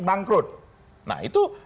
bangkrut nah itu